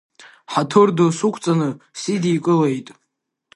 Ҳаҭыр ду сықәҵаны сидикылеит.